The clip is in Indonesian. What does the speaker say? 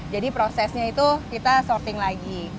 jadi prosesnya itu kita sorting lagi